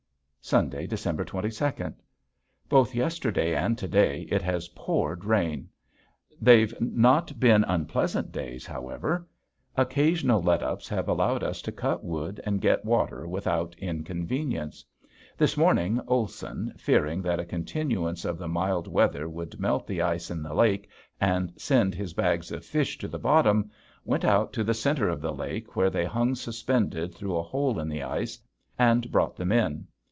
Sunday, December twenty second. Both yesterday and to day it has poured rain. They've not been unpleasant days, however. Occasional let ups have allowed us to cut wood and get water without inconvenience. This morning Olson, fearing that a continuance of the mild weather would melt the ice in the lake and send his bags of fish to the bottom, went out to the center of the lake where they hung suspended through a hole in the ice and brought them in.